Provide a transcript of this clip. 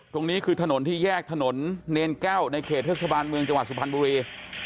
ตรงนี้คือถนนที่แยกถนนเนรแก้วในเขตเทศบาลเมืองจังหวัดสุพรรณบุรี